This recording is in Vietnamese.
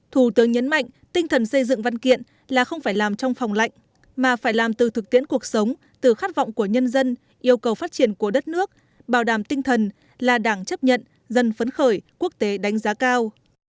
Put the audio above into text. thủ tướng nhấn mạnh tinh thần xây dựng văn kiện là không phải làm trong phòng lạnh mà phải làm từ thực tiễn cuộc sống từ khát vọng của nhân dân yêu cầu phát triển của đất nước bảo đảm tinh thần là đảng chấp nhận dân phấn khởi quốc tế đánh giá cao